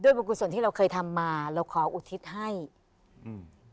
ด้วยบุคุณส่วนที่เราเคยทำมาเราขออุทิศให้อืม